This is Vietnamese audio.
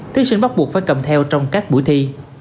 thí sinh bắt buộc phải cầm theo trong các buổi thi